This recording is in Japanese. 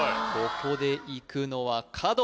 ここでいくのは角！